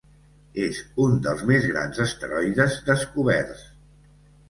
És un dels més grans asteroides descoberts.